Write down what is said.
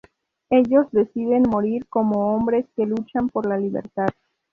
Ellos deciden morir como hombres que luchan por la libertad.